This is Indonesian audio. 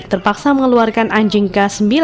terpaksa mengeluarkan anjing k sembilan